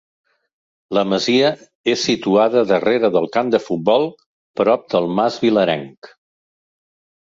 La masia és situada darrere del camp de futbol, prop del mas Vilarenc.